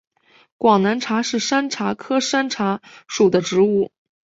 广南茶是山茶科山茶属的植物。